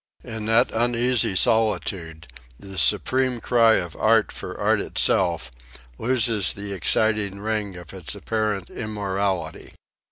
In that uneasy solitude the supreme cry of Art for Art itself, loses the exciting ring of its apparent immorality.